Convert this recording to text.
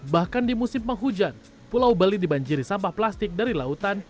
bahkan di musim penghujan pulau bali dibanjiri sampah plastik dari lautan